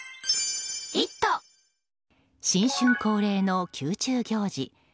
新春恒例の宮中行事